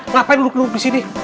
ngapain lu disini